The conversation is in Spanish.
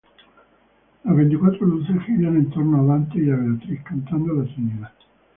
Las veinticuatro luces giran en torno a Dante y Beatriz, cantando la Trinidad.